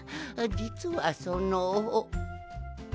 じつはその。